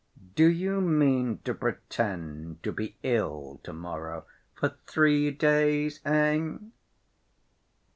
"Do you mean to pretend to be ill to‐morrow for three days, eh?"